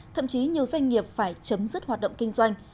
thậm chí nhiều doanh nghiệp phải chấm dứt hoạt động kinh doanh